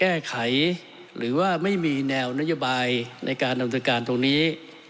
แก้ไขหรือว่าไม่มีแนวนโยบายในการดำเนินการตรงนี้